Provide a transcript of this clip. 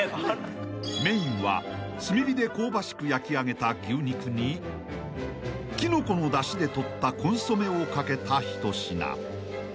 ［メインは炭火で香ばしく焼き上げた牛肉にキノコのだしで取ったコンソメをかけた一品］